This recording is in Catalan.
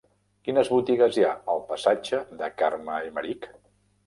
Quines botigues hi ha al passatge de Carme Aymerich?